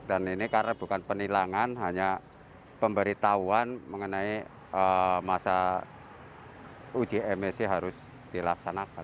dan ini karena bukan penilangan hanya pemberitahuan mengenai masa uji emisi harus dilaksanakan